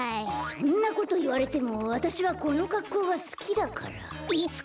そんなこといわれてもわたしはこのかっこうがすきだから。